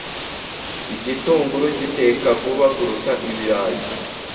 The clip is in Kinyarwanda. Igitunguru giteka vuba kuruta ibirayi.